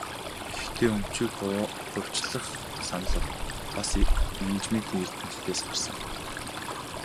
Гэхдээ өмчийг хувьчлах санал бас менежментийн эрдэмтдээс гарсан.